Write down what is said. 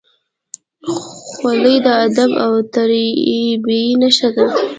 خولۍ د ادب او تربیې نښه ده.